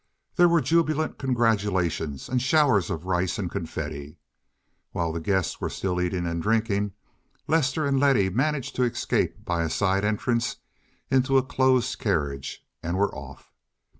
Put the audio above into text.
There were jubilant congratulations and showers of rice and confetti. While the guests were still eating and drinking Lester and Letty managed to escape by a side entrance into a closed carriage, and were off.